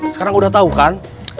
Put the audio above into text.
sekarang udah tahu kan